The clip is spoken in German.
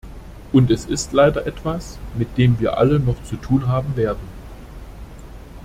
Und es ist leider etwas, mit dem wir alle noch zu tun haben werden.